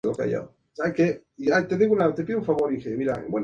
El diseño tomó fuertes indicios de Rolls-Royce Silver Shadow.